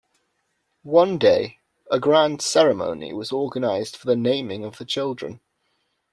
One day, a grand ceremony was organized for the naming of the children.